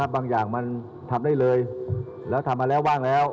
บางอย่างมันทำได้เลยแล้วทำมาแล้วว่างแล้ว